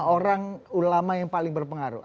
orang ulama yang paling berpengaruh